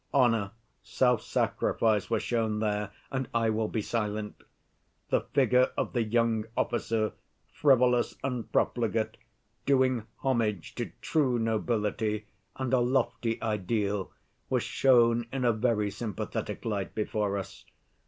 Honor, self‐sacrifice were shown there, and I will be silent. The figure of the young officer, frivolous and profligate, doing homage to true nobility and a lofty ideal, was shown in a very sympathetic light before us.